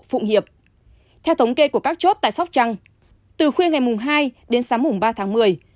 phụng hiệp theo thống kê của các chốt tại sóc trăng từ khuya ngày hai đến sáng ba tháng một mươi